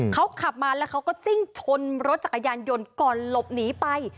เขาขับมาแล้วเขาก็ซิ่งชนรถจักรยานยนต์ก่อนหลบหนีไป